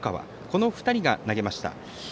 この２人が投げました。